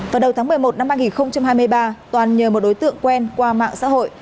vào đầu tháng một mươi một năm hai nghìn hai mươi ba toàn nhờ một đối tượng quen qua mạng xã hội